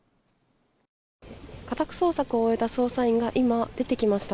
家宅捜索を終えた捜査員が今、出てきました。